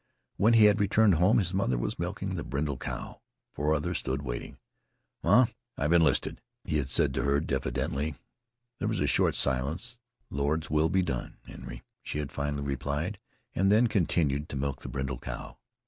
When he had returned home his mother was milking the brindle cow. Four others stood waiting. "Ma, I've enlisted," he had said to her diffidently. There was a short silence. "The Lord's will be done, Henry," she had finally replied, and had then continued to milk the brindle cow.